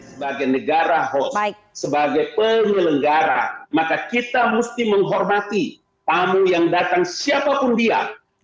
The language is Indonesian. sebagai negara hoax sebagai penyelenggara maka kita mesti menghormati tamu yang datang siapapun dia